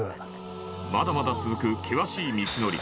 まだまだ続く険しい道のり